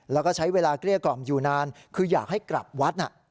แล้วก็ใช้เวลาเกลี้ยกล่อมอยู่นานคืออยากให้กลับวัดน่ะ